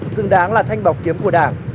dừng đáng là thanh bọc kiếm của đảng